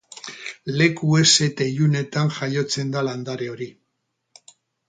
Leku heze eta ilunetan jaiotzen da landare hori.